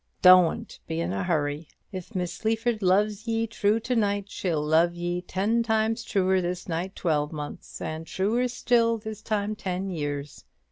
Doan't be in a hurry. If Miss Sleaford loves ye true to night, she'll love ye ten times truer this night twelvemonths, and truer still this time ten years.